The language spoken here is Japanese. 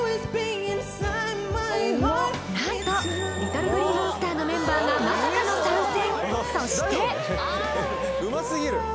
何とＬｉｔｔｌｅＧｌｅｅＭｏｎｓｔｅｒのメンバーがまさかの参戦！